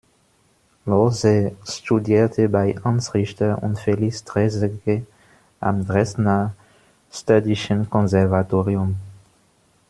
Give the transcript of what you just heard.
Lohse studierte bei Hans Richter und Felix Draeseke am Dresdner städtischen Konservatorium.